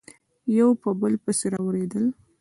یو په بل پسي اوریدل